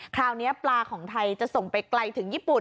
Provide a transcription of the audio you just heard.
คราวนี้ปลาของไทยจะส่งไปไกลถึงญี่ปุ่น